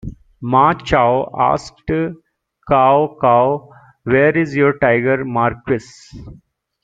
Ma Chao asked Cao Cao, Where's your Tiger Marquis?